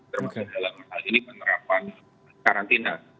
termasuk dalam hal ini penerapan karantina